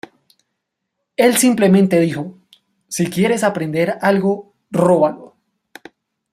Él simplemente dijo: "Si quieres aprender algo, róbalo.